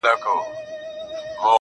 o هغې ويل اور.